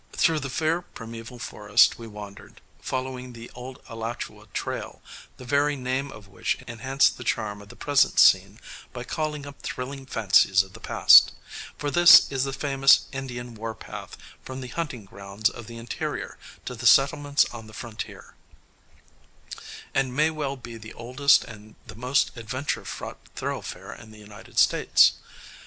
Through the fair primeval forest we wandered, following the old Alachua Trail, the very name of which enhanced the charm of the present scene by calling up thrilling fancies of the past; for this is the famous Indian war path from the hunting grounds of the interior to the settlements on the frontier, and may well be the oldest and the most adventure fraught thoroughfare in the United States.